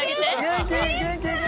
元気？